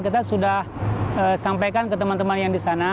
kita sudah sampaikan ke teman teman yang di sana